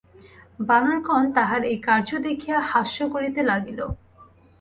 বানরগণ তাহার এই কার্য দেখিয়া হাস্য করিতে লাগিল।